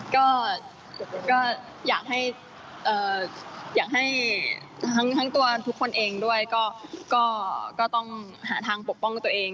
ก็อยากให้อยากให้ทั้งตัวทุกคนเองด้วยก็ต้องหาทางปกป้องตัวเอง